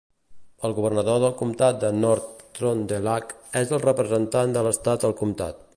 El governador del comtat de Nord-Trøndelag és el representant de l'Estat al comtat.